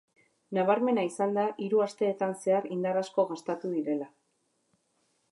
Nabarmena izan da hiru asteteetan zehar indar asko gastatu direla.